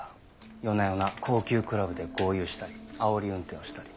夜な夜な高級クラブで豪遊したりあおり運転をしたり。